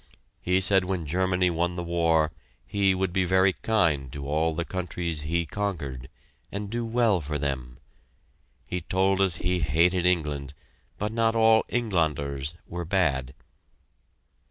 He said when Germany won the war "he" would be very kind to all the countries "he" conquered, and do well for them. He told us he hated England, but not all "Engländers" were bad!